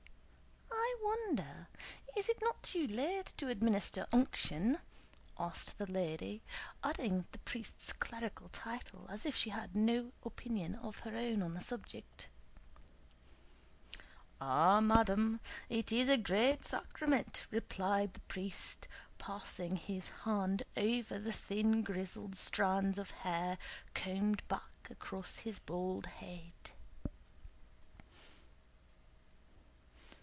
"I wonder, is it not too late to administer unction?" asked the lady, adding the priest's clerical title, as if she had no opinion of her own on the subject. "Ah, madam, it is a great sacrament," replied the priest, passing his hand over the thin grizzled strands of hair combed back across his bald head.